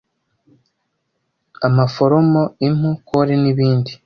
amaforomo, impu, kole n’ibindi